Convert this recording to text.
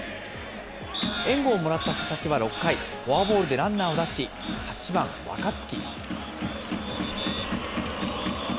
援護をもらった佐々木は６回、フォアボールでランナーを出し、８番若月。